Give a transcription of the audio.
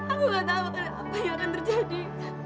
aku gak tahu apa yang akan terjadi